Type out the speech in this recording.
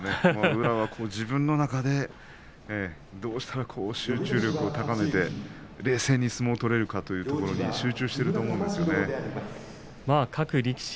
宇良は自分の中でどうしたら集中力を高めて冷静に相撲を取れるかというところに集中していると各力士